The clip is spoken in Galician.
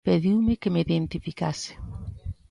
Pediume que me identificase.